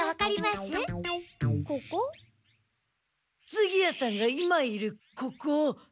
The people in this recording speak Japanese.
次屋さんが今いるここ。